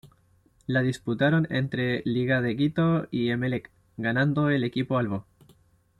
La disputaron entre Liga de Quito y Emelec, ganando el equipo albo.